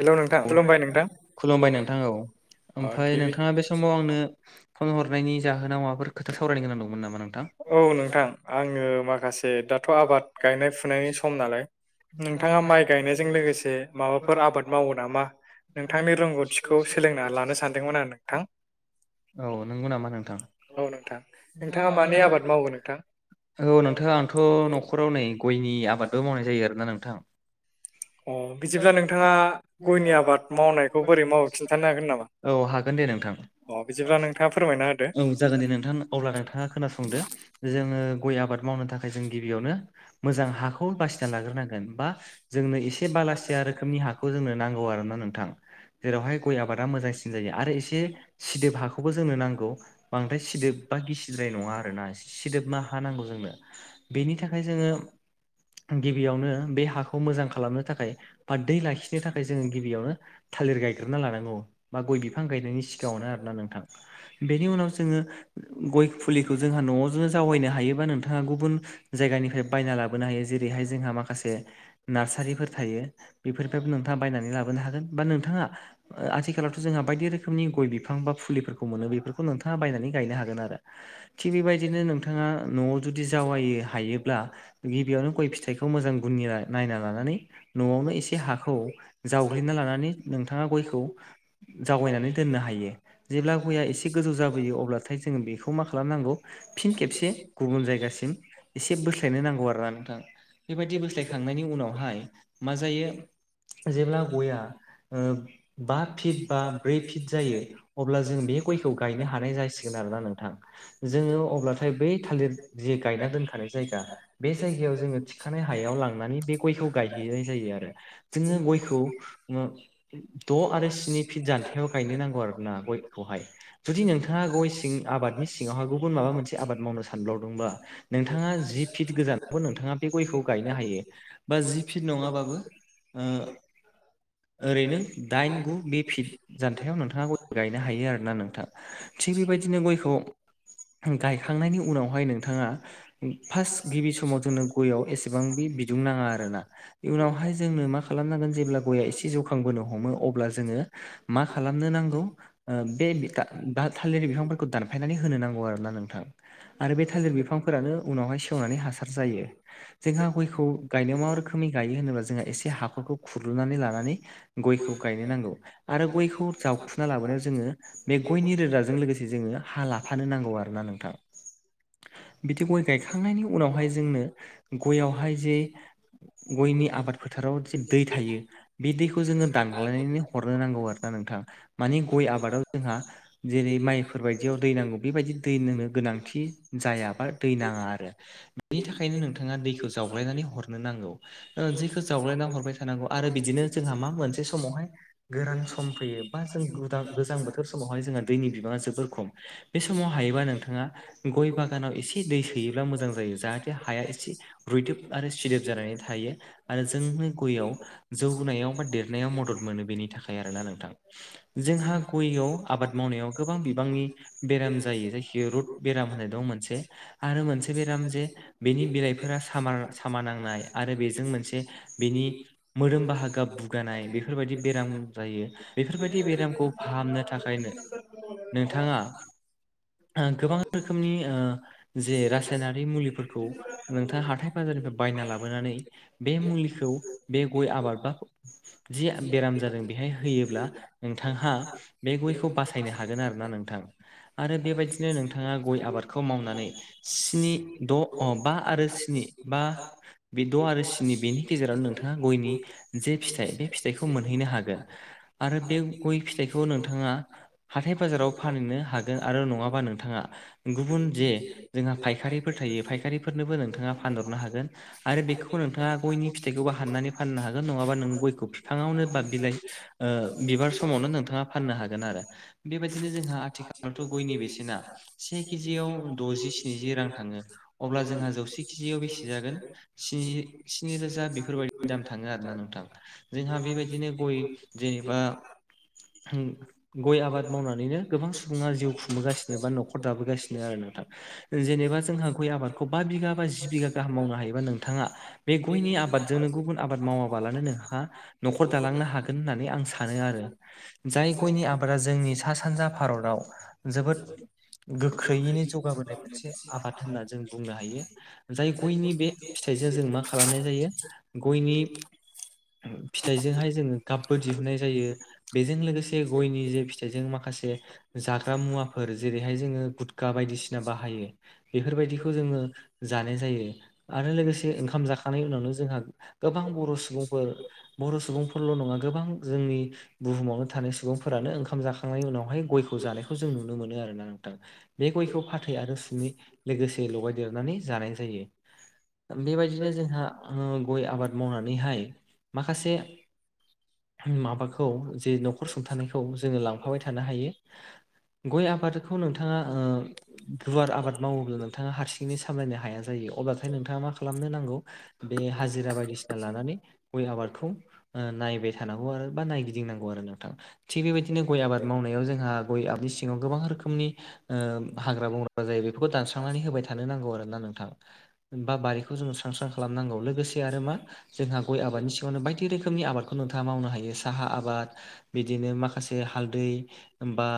Hello नोंथां खुलुमबाय नोंथां खुलुमबाय नोंथां औ अ ओमफ्राय गिबि नोंथाङा बे समाव आंनो फन हरनायनि जाहोनाव माबाफोर खोथा सावरायनो गोनां दंमोन नामा नोंथां? औ नोंथां आङो माखासे दाथ' आबाद गायनाय फुनायनि सम नालाय नोंथाङा माइ गायनायजों लोगोसे माबाफोर आबाद मावो नामा नोंथांनि रोंगौथिखौ सोलोंना लानो सानदोंमोन नोंथां औ नंगौ नामा नोंथां? औ नोंथां नोंथाङा मानि आबाद [unintelligible] मावो नोंथां औ नोंथां आंथ' न'खराव नै गयनि आबादबो मावनाय जायो आरोना नोंथां अ बिदिब्ला नोंथाङा गयनि आबाद मावनायखौ बोरै माव खिन्थानो हागोन नामा? औ हागोन दे नोंथां अ बिदिब्ला नोंथाङा फोरमायना होदो औ जागोन दे नोंथां अब्ला नोंथाङा खोनासंदो जोङो गय आबाद मावनो थाखाय जों गिबियावनो मोजां हाखौ बासिना लाग्रोनांगोन बा जोंनो एसे बालासिया रोखोमनि हा खौ जोंनो नांगौ आरोना नोंथां जेरावहाय गय आबादा मोजांसिन जायो आरो एसे सिदोब हाखौबो जोंनो नांगौ बांद्राय सिदोब बा गिसिद्राय नङा आरोना सिदोब हा नांगौ जोंनो बेनि थाखाय जोङो गिबियावनो बे हाखौ मोजां खालामनो थाखाय फारदै लाखि नाथाय जोङो गिबियावनो थालिर गायग्रोना लानांगौ बा गय बिफां गायनायनि सिगाङावनो आरोना नोंथां बेनि उनाव जोङो गय फुलिखौ जोंहा न'आव जा-जावैनो हायोबा नोंथाङा गुबुन जायगानिफ्राय बायना लाबोनो हायो जेरैहाय जोंहा माखासे नार्सारिफोर थायो बेफोर नोंथाङा बायनानै लाबोनो हागोन बा नोंथाङा आथिखालावथ' जोंहा बायदि रोखोमनि गय बिफां बा फुलिफोरखौ मोनो बेफोरखौ नोंथाङा बायनानै गायनो हागोन आरो थिग बेबायदिनो नोंथाङा न'आव जुदि जावायो हायोब्ला गिबियावनो गय फिथाइखौ मोजां गुनि नायना लानानै न'आवनो एसे हाखौ जावग्लिना लानानै नोंथाङा गयखौ जावायनानै दोननो हायो जेब्ला गया एसे गोजौ जाबोयो अब्लाथाय जोङो बेखौ मा खालामनांगौ फिन खेबसे गुबुन जायगासिम एसे बोस्लायनो नांगौ आरो ना नोंथां बेबायदि बोस्लायखांनायनि उनावहाय मा जायो। जेब्ला गया ओ बा फिट बा ब्रै फिट जायो। अब्ला जों बे गयखौ गायनो हानाय जासिगोन आरोना नोंथां जोङो अब्लाथाय बै थालिर ज गायना दोनखानाय जायगा बे जायगायाव जोङो थिखानाय हायाव लांनानै बे गयखौ गायहैनाय जायो आरो जोङो गयखौ द' आरो स्नि फिट जान्थायाव गायनो नांगौ आरो ना गयखौहाय। जुदि नोंथाङा गय सिं आबादनि सिङावहाय गुबुन माबा मोनसे आबाद मावनो सानबावदोंबा नोंथाङा जि फिट गोजानावबो नोंथाङा बे गयखौ गायनो हायो बा जि फिट नङाबाबो ओ ओरैनो दाइन गु बे फिट जान्थायाव नोंथाङा गय गायनो हायो आरोना नोंथाङा थिग बेबायदिनो गयखौ गायखांनायनि उनावहाय नोंथाङा फार्स्ट गिबि समाव जोंनो गययाव एसेबां बे बिदुं नाङा आरोना इ उनावहाय जोंनो मा मा खालामनांगोन जेब्ला गया एसे जौखांबोनो हमो अब्ला जोङो मा खालामनो नांगौ ओ बे द थालेर बिफांफोरखौ दानफायनानै होनो नांगौ आरोोना नोंथां। आरो बे थालिर बिफांफोरानो उनावहाय सेवनानै हासार जायो। जोंहा गयखौ गायनायाव मा रोखोमै गायो होनोब्ला जोंहा एसे हाखरखौ खुरुनानै लानानै गयखौ गायनो नांगौ आरो गयखौ जावखुना लाबोनायाव जोङो बे गयनि रोदाजों लोगोसे जों हा लाफानो नांगौ आरोना नोंथां। बिदि गय गायखांनायनि उनावहाय जोंनो गययावहाय जे गयनि आबाद फोथाराव दिन दै थायो बे दैखौ जोङो दानग्लायनानै हरनो नांगौ आरोना नोंथां। मानि गय आबादाव जोंहा जेरै माइफोरबायदियाव दै नांगौ बेबायदि दै नोंनो गोनांथि जायाबा थैनाङा आरो। बेनि थाखायनो नोंथाङा दैखौ जावग्लायनानै हरनो नांगौ ओ दैखौ जावग्लायनानै हरबाय था नानगौ आरो बिदिनो जोंहा मा मोनसे समावहाय गोरान सम फैयो बा जों गोजां बोथोर समावहाय जोंहा दैनि बिबाङा जोबोर खम बे समाव हायोबा नोंथाङा गय बागानाव एसे ए दै सोयोब्ला मोजां जायो जाहाथे हाया एसे रुैदोब आरो सिदोब जानानै थायो आरो जों याव जौ होनोनायाव बा देरनायाव मदद मोनो बेनि थाखाय आरोना नोंथां। जोंहा गययाव आबाद मावनायाव गोबां बिबांनि बेराम जायो जायखिाया रद बेराम होनाय दं मोनसे आरो मोनसे बेराम जे बेनि बिलाइफोरा सा सामा नांनाय आरो बेजों मोनसे बेनि मोदोम बाहागोआ बुगानाय बेफोरबायदि बेराम जायो। बेफोरबायदि बेरामखौ फाहामनो थाखायनो नोंथाङा ओ गोबां रोखोमनि ओ जे रासायनारि मुलिफोरखौ नोंथाङा हाथाय बाजारनिफ्राय बायना लाबोनानै बे मुलिखौ बे गय आबाद बा जि बेराम जादों बेहाय होयोब्ला नोंथांहा बे गयखौ बासायनो हागोन आरो ना नोंथां आरो बेबायदिनो नोंथाङा गय आबादखौ मावनानै सनि द बा आरो स्नि बा बे द' आरो स्नि बेनि गेजेरावनो नोंथाङा गयनि जे फिथाइ बे फिथाइखौ मोनहैनो हागोन आरो बे गय फिथाइखौ नोंथाङा हाथाय बाजाराव फानहनो हागोन आरो नङाबा नों नोंथांङा गुबुन जे जोंहा फायखारिफोर थायो फारि फारिफोरनोबो नोंथाङा फानहरनो हागोन आरो बेखौ नोंथाङा गयनि फथखौ हा फाननानै फाननो हागोन नङाबा नों गयखौ बिफाङावनो बा बिलाइ ओ बिबार समावनो नोंथाङा फाननो हागोन आरो। बेबायदिनो जोंहा आथिखालावथ' गयनि बेसेना से केजियाव द'जि स्निजि रां थाङो अब्ला जोंहा जौसे केजियाव बेसे जागोन। स्नि- स्नि रोजा बेफोरबायदि दाम थाङो आरोना नोंथां। जोंहा बेबायदिनो गय जेनेबा ओम गय आबाद मावनानैनो गोबां सुबुङा जिउ खुंबोगासिनो बा न'खर दाबोगासिनो। आरो नोंथां जेनेबा जोंहा गय आबादखौ बा बिगा बा जि बिगा गाहाम मावनो हायोबा नोंथाङा बे गयनि आबादजोंनो गुबुन आबाद मावाबालानो नोंहा न'खर दालांनो हागोन होननानै आं सानो आरो। जाय गयनि आबादा जोंनि सा -सानजा भारताव जोबोद गोख्रैयैनो जौगाबोनाय मोनसे आबाद होनना जों बुंनो हायो। जाय गयनि बे फिथाइजों जों मा खालामनाय जायो गयनि फिथाइजोंहाय जोङो गाबबो दिहुननाय जायो। बेजों लोगोसे गयनि जे फिथाइजों माखासे जाग्रा मुवा -फोर जेरैहाय जोङो गुदखा बायदिसिना बाहायो। बेफोरबायदिखौ जोङो जानाय जायो आरो लोगोसे ओंखाम जाखांनाय उनावनो जोंहा गोबां बर' सुबुंफोर, बर' सुबुंफोरल' नङा गोबां जोंनि बुहुमावनो थानाय सुबुंफोरानो ओंखाम जाखांनायनि उनावहाय गयखौ जानायखौ जों नुनो मोनो आरोना नोंथां। बे गयखौ फाथै आरो सुनि लोगोसे लगायदेरनानै जानाय जायो। बेबायदिनो जोंहा गय आबाद मावनानैहाय माखासे माबाखौ जे न'खर सुंथानायखौ जोङो लांफाबाय थानो हायो। गय आबादखौ नोंथाङा ओ गुवार आबाद मावोब्ला नोंथाङा हारसिङैनो सामलायनो हाया जायो अब्लाथाय नोंथाङा मा खालामनो नांगौ। बे हाजिरा बायदिसिना लानानै गय आबादखौ नायबाय थानांगौ आरो बा नायगिदिंनांगौ आरो नोंथां थिग बेबायदिनो गय आबाद मावनाय जोंहा गय [unintelligible] सिङाव गोबां रोखोमनि ओ हाग्रा- बंग्रा जायो बेफोरखौ दानस्रांनानै होबाय थानो नांगौ आरो ना नोंथां। बा बारिखौ जोङो स्रां-स्रां खालामनांगौ लोगोसे आरो मा जोंहा गय आबादनि सिगाङावनो बायदि रोखोमनि आबादखौ नोंथाङा मावनो हायो साहा आबाद बिदिनो माखासे हालदै बा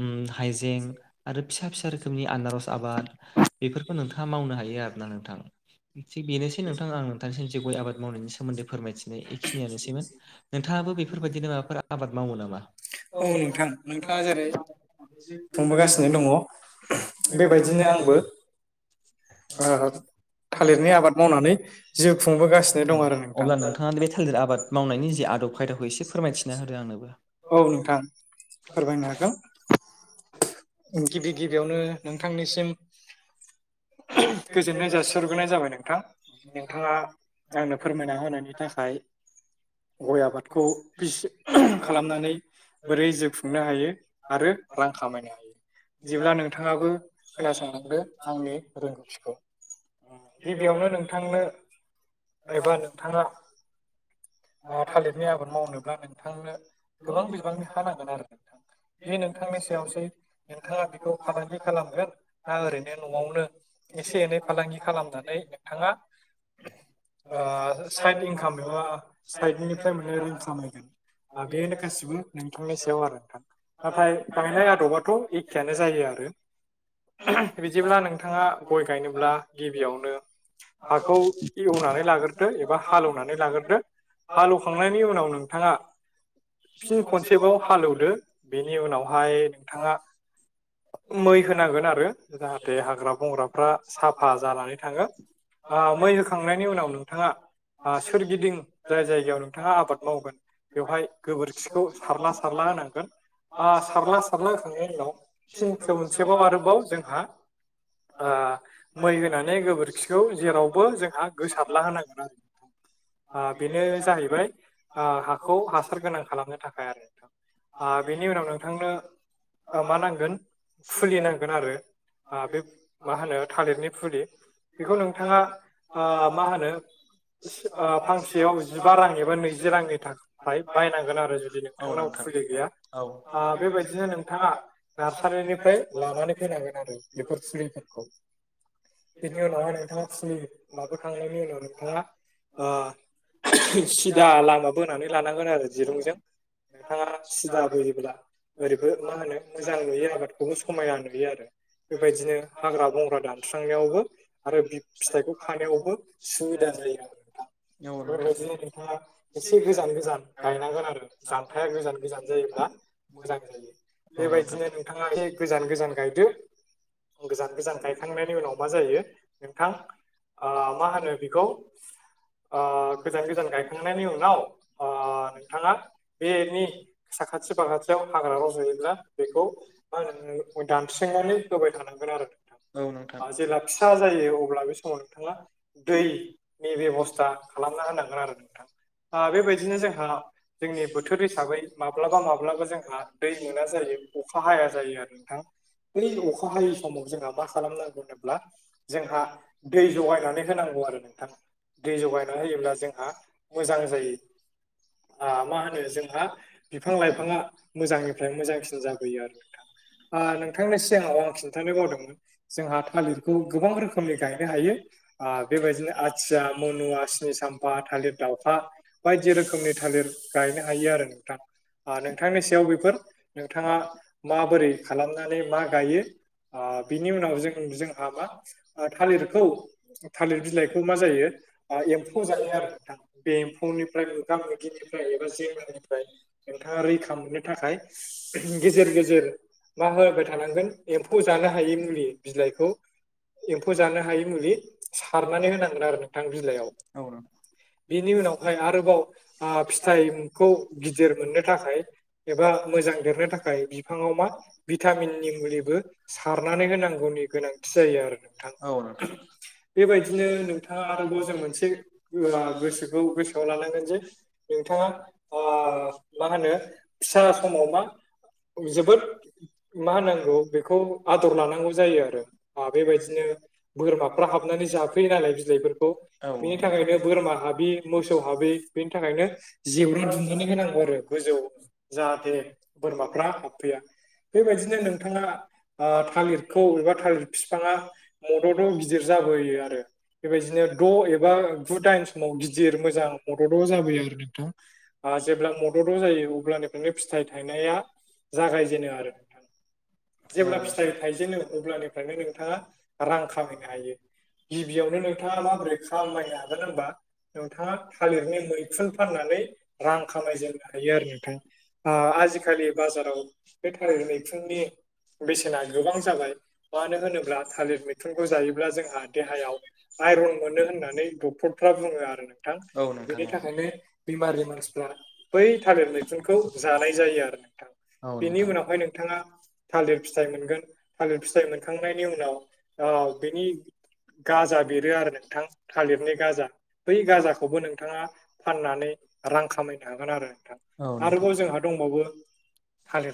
ओम हाइजें आरो फिसा फिसा रोखोमनि आनारस आबाद बेफोरखौ नोंथाङा मावनो हायो आरोना नोंथां थिग बेनोसै नोंथां आं जों जे गय आबाद मावनायनि सोमोन्दै फोरमायथिनाय बेखिनियानोसैमोन। नोंथाङाबो बेफोरबायदिनो माबाफोर आबाद मावो नामा? औ नोंथां नोंथाङा जेरै [unintelligible] खुंबोगासिनो दङ बेबायदिनो आंबो [unintelligible] ओ आ थालिरनि आबाद मावनानै जिउ खुंबोगासिनो औ दं आरो नोंथां। अब्ला नोंथाङा बे थालिर आबाद मावनायनि जे आदब खायदाखौ एसे फोरमायथिना होदो आंनोबो। औ नोंथां फोरमायनो हागोन गिबि गिबियावनो नोंथांनिसिम गोजोननाय जाासिहरग्रोनाय जाबाय नोंथां। नोंथाङा आंनो फोरमायना होनायनि थाखाय। गय आबादखौ [unintelligible] खालामनानै बोरै जिउ खुंनो हायो आरो रां खामायनो हायो। बिदिब्ला नोंथाङाबो खोनासंलांदो आंनि रोंगौथिखौ। गिबियावनो नोंथांनो एबा नोंथाङा। आ थालिरनि आबाद मावनोब्ला नोंथांनो गोबां बिबांनि हा नांगोन आरो। बे नोंथांनि सायावसै नोंथाङा बेखौ फालांगि खालामगोन ना ओरैनो न'आवनो एसे -एनै फालांगि खालामनानै नोंथाङा ओ साइद इनकाम एबा साइडनिफ्राय माने रां खामायगोन बेनो गासिबो नोंथांनि सायाव आरो नोंथां। नाथाय गायनाय आदबाथ' एखेयानो जायो आरो। बिदिब्ला नोंथाङा गय गायनोब्ला गिबियावनो हाखौ एवनानै लाग्रोदो एबा हालैवनानै लाग्रोदो। हालेवखांनायनि उनाव नोंथांङा फिन खनसेबाव हालेवदो बेनि उनावहाय नोंथाङा। मै होनांगोन आरो जाहाथे हाग्रा बंग्राफ्रा साफा जानानै थाङो। ओ मै होखांनायनि उनाव नोंथाङा। ओ सोरगिदिं जाय जायगायाव नोंथाङा आबाद मावगोन बेवहाय गोबोरखिखौ सारला सारला होनांगोन। बा सारला सारला होखांनायनि उनाव फिन खनसेबाव आरोबाव जोंहा ओ मै होनानै गोबोरखिखौ जेरावबो जोंहा गोसारला होनांगोन आरो। ओ बेनो जाहैबाय ओ हाखौ हासार गोनां खालामनो थाखाय आरो नोंथां। ओ बेनि उनाव नोंथांनो ओ मा नांगोन फुलि नांगोन आरो ओ बे मा होनो थालिरनि फुलि बेखौ नोंथाङा ओ मा होनो ओ फांसेयाव जिबा रां एबा नैजि रांनि था थाखाय बायनांगोन आरो जुदि नोंथांनाव फुलि गैया औ ओ बेबायदिनो नोंथाङा नार्सारिनिफ्राय लानानै फैनांगोन आरो बेफोर फुलिफोरखौ। बिनि उनावहाय नोंथाङा फुलि लाबोखांनायनि उनाव नोंथाङा ओ सिदा लामा बोनानै लानांगोन आरो दिरुंजों नोंथाङा सिदा बोयोब्ला ओरैबो मा होनो मोजां नुयो आबादखौबो समायना नुयो आरो बेबायदिनो हाग्रा बंग्रा दानस्रांनायावबो आरो बि फिथाइखौ खानायावबो सुबिदा जायो आरो नोंथां औ बेबायदिनो नोंथाङा एसे गोजान गोजान गायनांगोन आरो जानथाया गोजान गोजान जायोब्ला मोजां जायो [unintelligible] बेबायदिनो नोंथाङा ए गोजान गोजान गायदो गोजान गोजान गायखांनायनि उनाव मा जायो नोंथां ओ मा होनो बेखौ ओ गोजान गोजान गायखांनायनि उनाव ओ नोंथाङा बेनि साखाथि फाखाथियाव हाग्रा रजायोब्ला बेखौ मा होनो दानस्रंनानै होबाय थानां औ नोंथां। जेब्ला फिसा जायो अब्ला बे समाव नोंथाङा दै नि बेबस्था खालामना होनांगोन आरो नोंथां। ओ बेबायदिनो जोंहा जोंनि बोथोर हिसाबै माब्लाबा माब्लाबा जोंहा दै मोना जायो अखा हाया जायो आरो नोंथां बै अखा हायै समाव जोंहा मा खालामनांगौ होनोब्ला जोंहा दै जगायनानै होनांगौ आरो नोंथां दै जगायना होयोब्ला जोंहा मोजां जायो। ओ मा होनो जोंहा बिफां लाइफाङा मोजांनिफ्राय मोजांसिन जाबोयो आरो नोंथां। ओ नोंथांनि सिगाङाव आं खिन्थानो बावदों जोंहा थालिरखौ गोबां रोखोमनि गायनो हायो बेबायदिनो आथिया मनुवा स्निसाम फा थालिर दाउखा बायदि रोखोमनि थालिर गायनो हायो आरो नोंथां। ओ नोंथांनि सायाव बेफोर नोंथाङा माबोरै खालामनानै मा गायो। ओ बिनि उनाव जों जोंहा मा थालिरखौ थालिर बिलाइखौ मा जायो एम्फौ जायो आरो नोंथां बे एम्फौनिफ्राय मोगा मोगिनिफ्राय एबा जेंनानिफ्राय नोंथाङा रैखा मोननो थाखाय गेजेर गेजेर मा होबाय थानांगोन एम फौ जानो हायि मुलि बिलाइखौ एम्फौ जानो हायि मुलि सारनानै होनांगोन आरो नोंथां बिलाइआव। औ नोंथां बेनि उनावहाय आरोबाव आ फिथाइखौ गिदिर मोननो थाखाय एबा मोजां देरनो थाखाय बिफाङाव मा भिटामिननि मुलिबो सारनानै होनांगौनि गोनांथि जायो आरो नोंथां। औ नोंथां बेबायदिनो नोंथाङा आरोबाव जों मोनसे गोसोखौ गोसोआव लानांगोन जे नोंथाङा आ मा होनो फिसा समाव मा जोबोद मा होनांगौ बेखौ आदर लानांगौ जायो आरो ओ बेबायदिनो बोरमाफ्रा हाबनानै जाफोयो नालाय बिलाइफोरखौ। औ बेनि थाखायनो बोरमा हाबि मोसौ हाबि बेनि थाखायनो जेवरा दुमनानै होनांगौ आरो गोजौ। जाहाथे बोरमाफ्रा हाबफैया बेबायदिनो नोंथाङा ओ थालिरखौ एबा थालिर बिफाङा मद'द' गिदिर जाबोयो आरो। बेबायदिनो द' एबा गु दाइन समाव गिदिर मोजां मदद' जाबोयो आरो नोंथां। ओजेब्ला मद'द' जायो अब्लानिफ्रायनो फिथाइ थायनाया जागायजेनो आरो। नोंथां जेब्ला फिथाइ थाइजेनो अब्लानिफ्रायनो नोंथाङा रां खामायनो हायो। गिबियावनो नोंथाङा माबोरै खामायनो हागोन होनबा नोंथाङा थालिरनि मैखुन फाननानै रां खामायजेननो हायो आरो नोंथां। आ आजिखालि बाजाराव बे थालिर मैखुननि बेसेना गोबां जाबाय ‌। मानो होनोब्ला थालिर मैखुनखौ जायोब्ला जोंहा देहायाव आइरन मोनो होननानै डक्टर फोरा बुङो आरो नोंथां औ नोंथां बेनि थाखायनो बेमारिनि मानसिफ्रा बै थालिर मैखुनखौ जानाय जायो आरो नोंथां औ बेनि उनावहाय नोंथाङा थालिर फिथाइ मोनगोन थालिर फिथाइ मोनखांनायनि उनाव ओ बेनि गाजा बेरो आरो नोंथां थालिरनि गाजा बै गाजाखौबो नोंथाङा फाननानै रां खामायनो हागोन आरो नोंथां औ आरोबाव जोंहा दंबावो थालिर